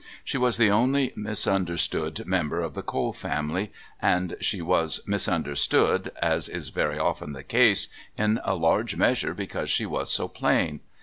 She was the only misunderstood member of the Cole family, and she was misunderstood, as is very often the case, in a large measure because she was so plain.